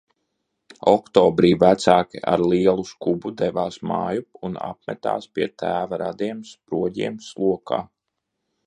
Oktobrī vecāki ar lielu skubu devās mājup un apmetās pie tēva radiem Sproģiem Slokā.